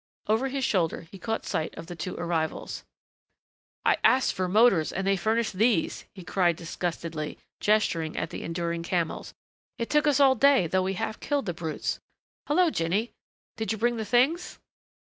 Over his shoulder he caught sight of the two arrivals. "I asked for motors and they furnished these!" he cried disgustedly, gesturing at the enduring camels. "It took us all day though we half killed the brutes.... Hello, Jinny, did you bring the things?"